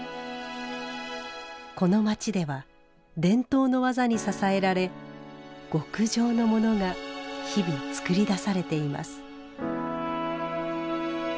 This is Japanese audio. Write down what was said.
この街では伝統の技に支えられ極上のモノが日々作り出されています。